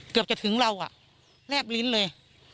เกือบจะถึงเราแลบลิ้นเลย